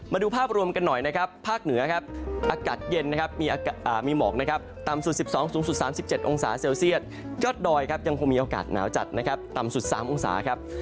มาดูภาพรวมกันหน่อยนะครับภาคเหนือครับอากาศเย็นนะครับมีหมอกนะครับต่ำสุด๑๒สูงสุด๓๗องศาเซลเซียตยอดดอยครับยังคงมีโอกาสหนาวจัดนะครับต่ำสุด๓องศาครับ